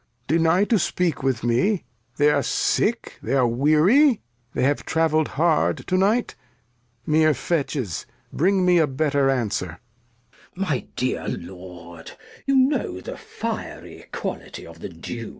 Deny to speak with me ; th'are sick, th'are weary, They have travell'd hard to Night; — mere Fetches; Bring me a better Answer, Glost. My dear Lord, You know the fiery QuaUty of the Duke.